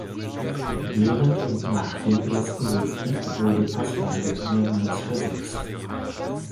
Während und nach dem Ersten Weltkrieg wurde Pascal mehrmals versetzt.